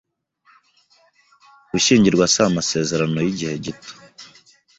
Gushyingirwa si amasezerano y’igihe gito